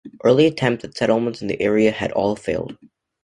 Early attempts at settlements in the area had all failed.